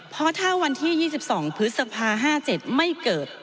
เพราะถ้าวันที่๒๒พฤษภา๕๗ไม่เกิด